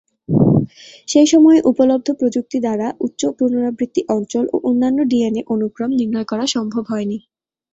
সেই সময়ে উপলব্ধ প্রযুক্তি দ্বারা উচ্চ পুনরাবৃত্তি অঞ্চল ও অন্যান্য ডিএনএ অনুক্রম নির্ণয় করা সম্ভব হয়নি।